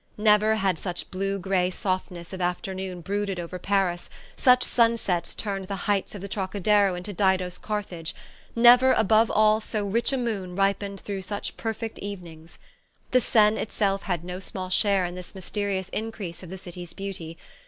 Never had such blue grey softness of afternoon brooded over Paris, such sunsets turned the heights of the Trocadero into Dido's Carthage, never, above all, so rich a moon ripened through such perfect evenings. The Seine itself had no small share in this mysterious increase of the city's beauty.